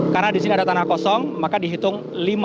karena di sini ada tanah kosong maka dihitung lima